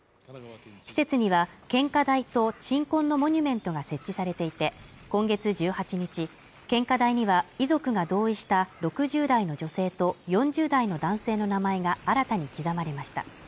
施設には献花台と鎮魂のモニュメントが設置されていて今月１８日、献花台には遺族が同意した６０代の女性と４０代の男性の名前が新たに刻まれました